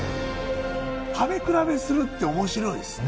食べ比べするっておもしろいですね。